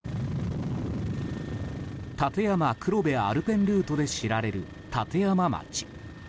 立山黒部アルペンルートで知られる、立山町。